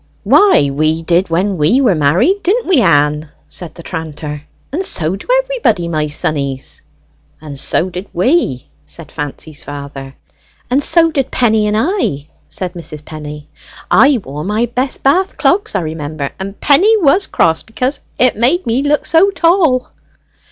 "Why, we did when we were married, didn't we, Ann?" said the tranter; "and so do everybody, my sonnies." "And so did we," said Fancy's father. "And so did Penny and I," said Mrs. Penny: "I wore my best Bath clogs, I remember, and Penny was cross because it made me look so tall."